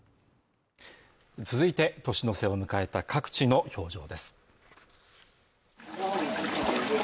続いて、年の瀬を迎えた各地の表情です。